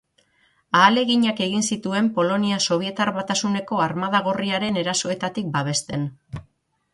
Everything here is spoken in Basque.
Ahaleginak egin zituen Polonia Sobietar Batasuneko Armada Gorriaren erasoetatik babesten.